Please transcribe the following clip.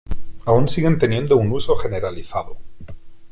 Aún siguen teniendo un uso generalizado.